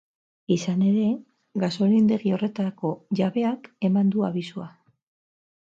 Izan ere, gasolindegi horretako jabeak eman du abisua.